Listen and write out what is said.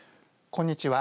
こんにちは。